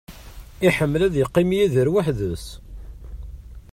Iḥemmel ad yeqqim Yidir weḥd-s.